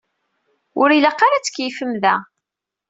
Ur ilaq ara ad tkeyyfem da.